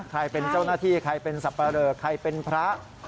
ใครเป็นเจ้าหน้าที่ใครเป็นสับปะเรอใครเป็นพระ